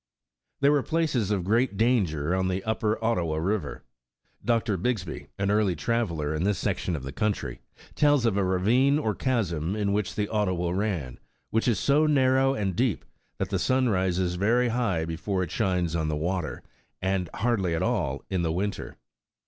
There were places of great danger on the Upper Ot tawa River. Dr. Bigsby, an early traveler in this sec tion of the country, tells of a ravine or chasm in which the Ottawa ran, which "is so narrow and deep that the sun rises very high before it shines on the water, and hardly at all in winter."